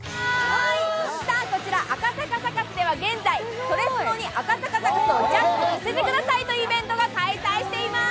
赤坂サカスでは現在「それスノに赤坂サカスをジャックさせて下さい」というイベントが開催しています。